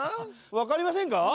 わかりませんか？